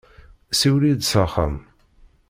Siwel-iyi-d s axxam.